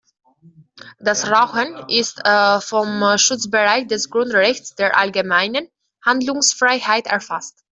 Das Rauchen ist vom Schutzbereich des Grundrechts der Allgemeinen Handlungsfreiheit erfasst.